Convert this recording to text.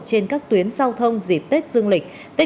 chúc ta vui vẻ